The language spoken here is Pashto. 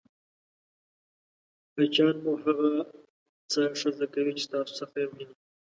بچیان مو هغه څه ښه زده کوي چې ستاسو څخه يې ویني!